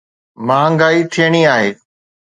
مهانگائي ٿيڻي آهي.